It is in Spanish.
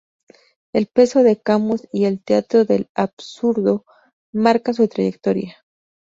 El peso de Camus y el teatro del absurdo marcan su trayectoria.